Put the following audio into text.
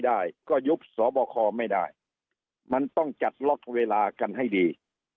ได้ก็ยุบสบคไม่ได้มันต้องจัดล็อกเวลากันให้ดี